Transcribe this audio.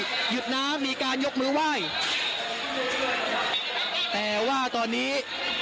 หยุดน้ำมีการยกมือไหว้แต่ว่าตอนนี้